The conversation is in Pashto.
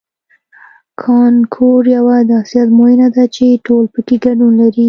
کانکور یوه داسې ازموینه ده چې ټول پکې ګډون لري